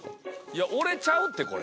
いや俺ちゃうってこれ。